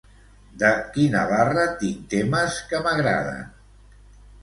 De Quina Barra tinc temes que m'agraden?